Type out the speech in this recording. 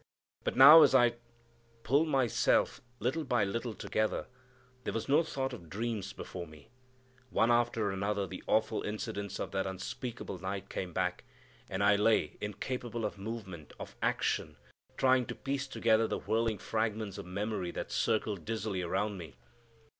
But now as I pulled myself little by little together there was no thought of dreams before me. One after another the awful incidents of that unspeakable night came back, and I lay incapable of movement, of action, trying to piece together the whirling fragments of memory that circled dizzily around me.